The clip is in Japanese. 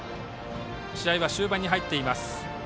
試合は終盤に入っています。